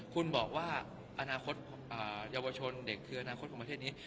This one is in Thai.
คุณบอกว่าอนาคตเยาวชนเด็กคืออนาคตของประเทศนี้